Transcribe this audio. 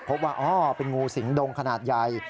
ว่าอ๋อเป็นงูสิงดงขนาดใหญ่